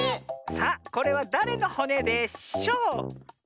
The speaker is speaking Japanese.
さあこれはだれのほねでしょう？